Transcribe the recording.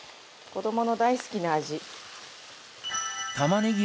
子どもの大好きな味。